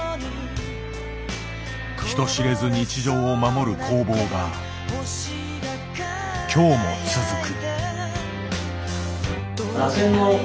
人知れず日常を守る攻防が今日も続く。